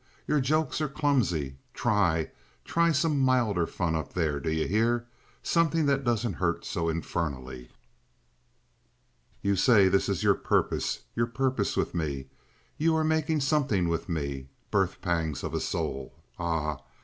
Your jokes are clumsy. Try—try some milder fun up there; do you hear? Something that doesn't hurt so infernally." "You say this is your purpose—your purpose with me. You are making something with me—birth pangs of a soul. Ah!